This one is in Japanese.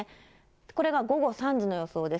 これが午後３時の予想です。